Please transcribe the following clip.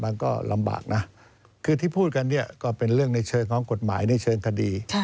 มันก็ลำบากนะคือที่พูดกันเนี่ยก็เป็นเรื่องในเชิงของกฎหมายในเชิงคดี